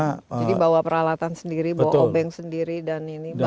jadi bawa peralatan sendiri bawa obeng sendiri dan ini